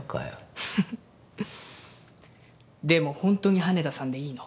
フフフでもホントに羽田さんでいいの？